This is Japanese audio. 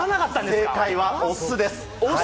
正解は、お酢です。